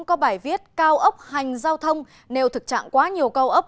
có bài viết cao ốc hành giao thông nếu thực trạng quá nhiều cao ốc